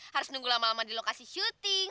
harus nunggu lama lama di lokasi syuting